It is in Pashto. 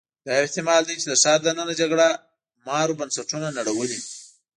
دا یو احتمال دی چې د ښار دننه جګړه مارو بنسټونه نړولي